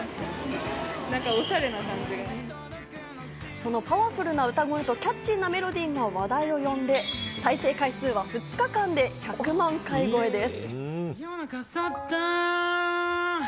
そのパワフルな歌声とキャッチーなメロディーが話題を呼んで再生回数は２日間で１００万回超えです。